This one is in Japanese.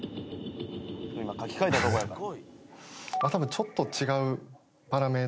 今書き換えたとこやから。